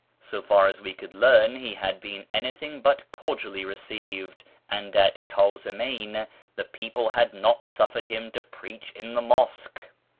So far as we could learn, he had been anything but cordially received, and at Kazimeyn the people had not suffered him to preach in the mosque.